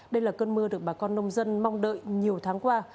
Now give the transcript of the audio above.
đây là cơn mưa được bà con nông dân mong đợi nhiều tháng qua